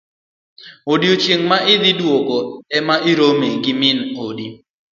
Odiochieng' ma idhi duk ema irome gi min odi.